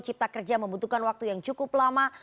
cipta kerja membutuhkan waktu yang cukup lama